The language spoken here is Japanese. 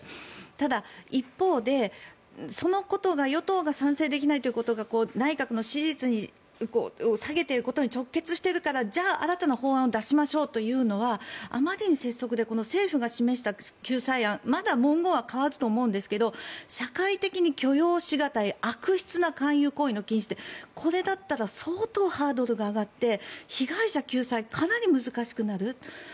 ただ、一方でそのことが与党が賛成できないということが内閣の支持率を下げていることに直結しているからじゃあ新たな法案を出しましょうというのはあまりに拙速で政府が示した救済案まだ文言は変わると思うんですが社会的に許容し難い悪質な勧誘行為の禁止ってこれだったら相当、ハードルが上がって被害者救済、かなり難しくなる。